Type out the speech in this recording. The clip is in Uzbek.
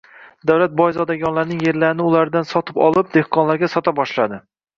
Davlat boy zodagonlarning yerlarini ulardan sotib olib, dehqonlarga sota boshladi.